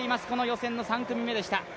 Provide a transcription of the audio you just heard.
予選の３組目でした。